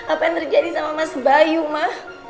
apa yang terjadi sama mas bayu mah